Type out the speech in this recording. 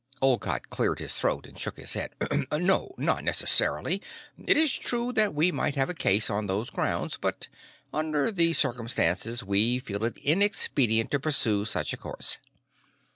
Olcott cleared his throat and shook his head. "No. Not necessarily. It is true that we might have a case on those grounds, but, under the circumstances, we feel it inexpedient to pursue such a course."